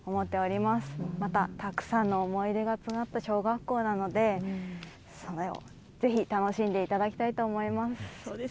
またたくさんの思い出が詰まった小学校なのでぜひ楽しんでいただきたいと思います。